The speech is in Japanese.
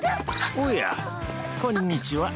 おやこんにちは。